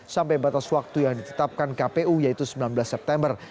sampai batas waktu yang ditetapkan kpu yaitu sembilan belas september